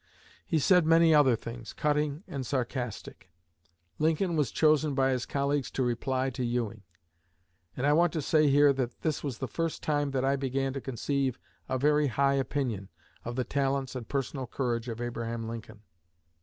He said many other things, cutting and sarcastic. Lincoln was chosen by his colleagues to reply to Ewing; and I want to say here that this was the first time that I began to conceive a very high opinion of the talents and personal courage of Abraham Lincoln.